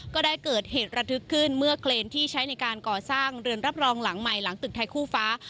ก็ได้เกิดเหตุระทึกขึ้นเมื่อเครนที่ใช้ในการก่อสร้างเรือนรับรองหลังใหม่หลังตึกไทยคู่ฟ้า